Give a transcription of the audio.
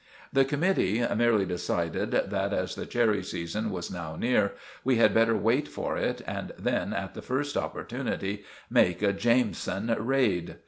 The committee merely decided that as the cherry season was now near, we had better wait for it, and then, at the first opportunity, make a 'Jameson raid.